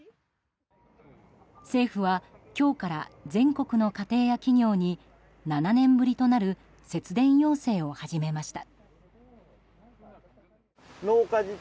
政府は今日から全国の家庭や企業に７年ぶりとなる節電要請を始めました。